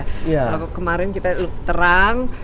kalau kemarin kita terang